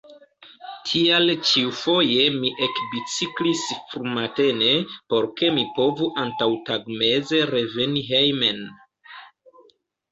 Tial ĉiufoje mi ekbiciklis frumatene, por ke mi povu antaŭtagmeze reveni hejmen.